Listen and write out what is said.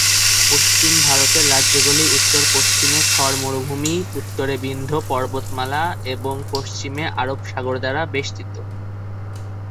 পশ্চিম ভারতের রাজ্যগুলি উত্তর-পশ্চিমে থর মরুভূমি, উত্তরে বিন্ধ্য পর্বতমালা, এবং পশ্চিমে আরব সাগর দ্বারা বেষ্টিত।